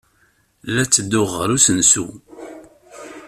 La d-ttedduɣ ɣer usensu.